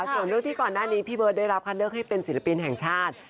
ส่วนเรื่องที่ก่อนหน้านี้พี่เบิร์ตได้รับคัดเลือกให้เป็นศิลปินแห่งชาติ